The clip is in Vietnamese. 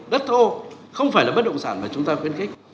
đất thô không phải là bất động sản mà chúng ta khuyến khích